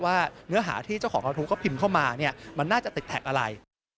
เนื้อหาที่เจ้าของกระทู้เขาพิมพ์เข้ามาเนี่ยมันน่าจะติดแท็กอะไร